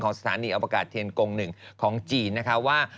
ของสถานีอวกาศเทียนกง๑ของจีนนะครับว่า